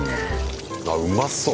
あうまそう。